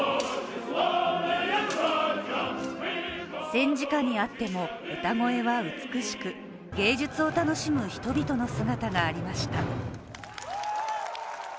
戦時下にあっても歌声は美しく芸術を楽しむ人々の姿がありました。